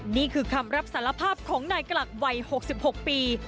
นี่คือคำรับสารภาพของนายกลักวัย๖๖ปี